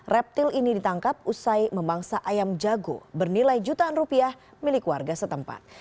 reptil ini ditangkap usai memangsa ayam jago bernilai jutaan rupiah milik warga setempat